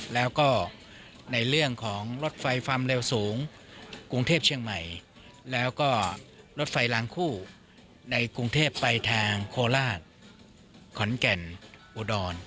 แล้วก็ในเรื่องของรถไฟความเร็วสูงกรุงเทพเชียงใหม่แล้วก็รถไฟลางคู่ในกรุงเทพไปทางโคราชขอนแก่นอุดร